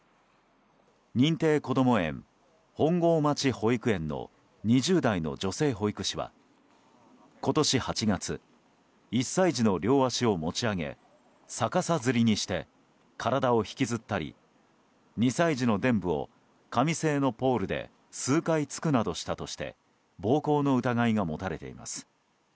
認定こども園、本郷町保育園の２０代の女性保育士は今年８月１歳児の両足を持ち上げ逆さづりにして体を引きずったり２歳児の臀部を紙製のポールで数回突くなどしたとして暴行の疑いが持たれています。